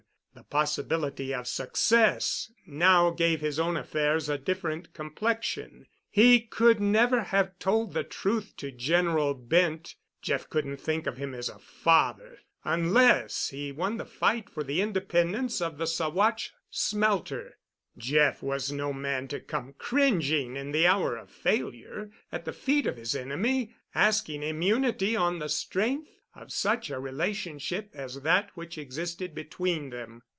The possibility of success now gave his own affairs a different complexion. He could never have told the truth to General Bent (Jeff couldn't think of him as a father) unless he won the fight for the independence of the Saguache Smelter. Jeff was no man to come cringing in the hour of failure at the feet of his enemy, asking immunity on the strength of such a relationship as that which existed between them.